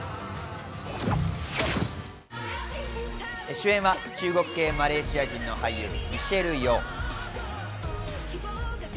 主演は中国系マレーシア人の俳優ミシェル・ヨー。